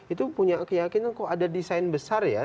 itu punya keyakinan kok ada desain besar ya